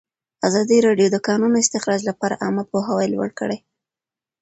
ازادي راډیو د د کانونو استخراج لپاره عامه پوهاوي لوړ کړی.